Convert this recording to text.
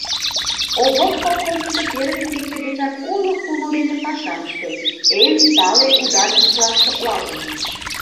Овоп колхозышто первый кече гычак уло кумыл дене пашам ыштен, эн тале ударницылан шотлалтын.